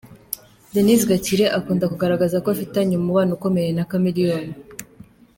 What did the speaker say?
Denise Gakire akunda kugaragaza ko afitanye umubano ukomeye na Chameleone.